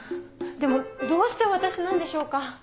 でもどうして私なんでしょうか？